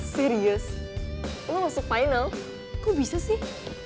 serius lo masuk final kok bisa sih